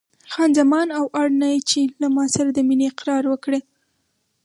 خان زمان: او اړ نه یې چې له ما سره د مینې اقرار وکړې.